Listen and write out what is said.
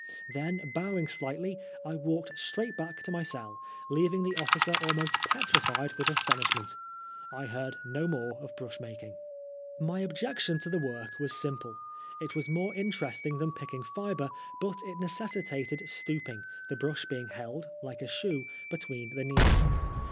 Then bowing slightly, I walked straight back to my cell, leaving the officer almost petrified with astonishment. I heard no more of brush making. My objection to the work was simple. It was more interesting than picking fibre, but it necessitated stoop ing, the brush being held, like a shoe, between the knees.